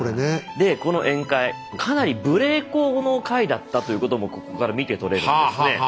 でこの宴会かなり無礼講の会だったということもここから見てとれるんですね。